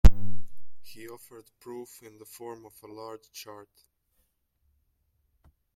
He offered proof in the form of a large chart.